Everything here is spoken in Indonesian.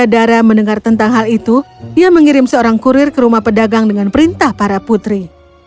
saudara mendengar tentang hal itu ia mengirim seorang kurir ke rumah pedagang dengan perintah para putri